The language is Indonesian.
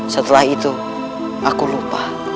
setelah itu aku lupa